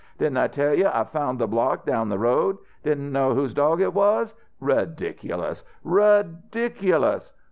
Didn't I tell you I found he block down the road? Didn't know whose dog it was? Ridiculous, ridiculous!